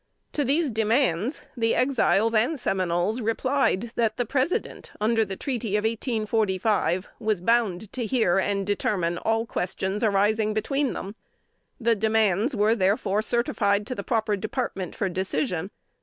To these demands the Exiles and Seminoles replied, that the President, under the treaty of 1845, was bound to hear and determine all questions arising between them. The demands were, therefore, certified to the proper department for decision.